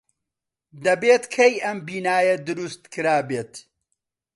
دەبێت کەی ئەم بینایە دروست کرابێت.